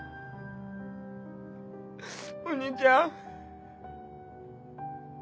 お兄ちゃん。